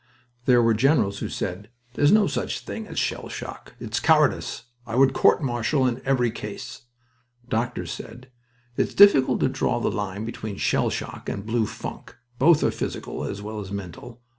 There were generals who said: "There is no such thing as shell shock. It is cowardice. I would court martial in every case." Doctors said: "It is difficult to draw the line between shell shock and blue funk. Both are physical as well as mental.